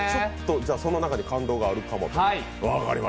その中に感動があるかもと。